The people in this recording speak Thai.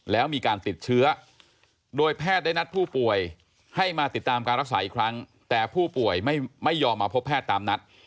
แล้วมีการติดเชื้อโดยแพทย์ได้นัดผู้ป่วยให้มาติดตามการรักษาอีกครั้งแต่ผู้ป่วยไม่ยอมมาพบแพทย์ตามนัด